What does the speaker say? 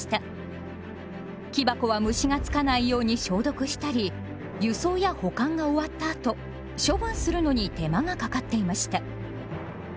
木箱は虫がつかないように消毒したり輸送や保管が終わったあと処分するのに手間がかかっていました。